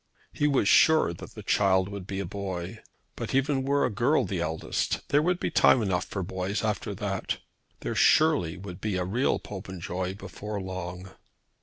He was sure that the child would be a boy! But even were a girl the eldest, there would be time enough for boys after that. There surely would be a real Popenjoy before long.